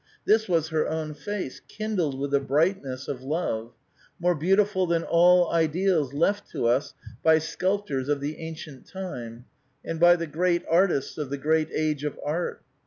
This was her own face, kindled with the brightness of love ; more beautiful than all ideals left to us by sculptors of the ancient time, and by the great artists j of the great age of art.